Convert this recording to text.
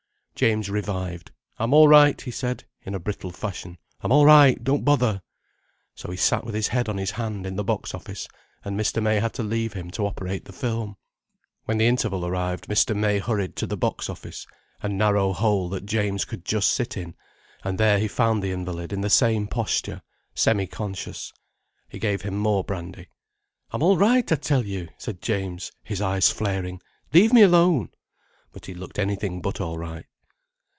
James revived. "I'm all right," he said, in a brittle fashion. "I'm all right. Don't bother." So he sat with his head on his hand in the box office, and Mr. May had to leave him to operate the film. When the interval arrived, Mr. May hurried to the box office, a narrow hole that James could just sit in, and there he found the invalid in the same posture, semi conscious. He gave him more brandy. "I'm all right, I tell you," said James, his eyes flaring. "Leave me alone." But he looked anything but all right.